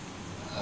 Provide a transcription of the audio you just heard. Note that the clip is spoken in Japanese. あ。